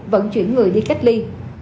vận chuyển người đi cách ly